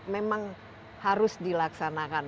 memang harus dilaksanakan